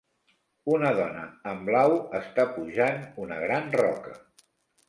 Una dona en blau està pujant una gran roca